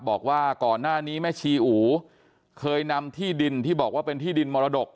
บอกว่าก่อนหน้านี้แม่ชีอูเคยนำที่ดินที่บอกว่าเป็นที่ดินมรดก